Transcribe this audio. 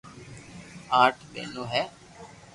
آٺ ٻينو ھي